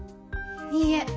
いいえ。